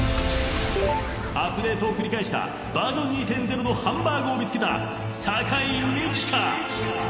［アップデートを繰り返したバージョン２．０のハンバーグを見つけた酒井美紀か］